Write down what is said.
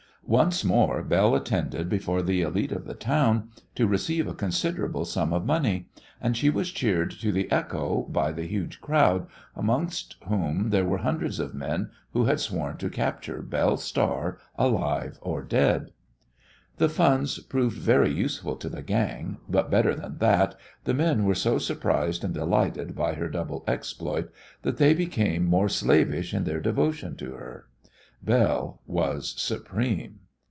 Once more Belle attended before the élite of the town to receive a considerable sum of money, and she was cheered to the echo by the huge crowd, amongst whom there were hundreds of men who had sworn to capture Belle Star alive or dead. The funds proved very useful to the gang, but, better than that, the men were so surprised and delighted by her double exploit that they became more slavish in their devotion to her. Belle was supreme.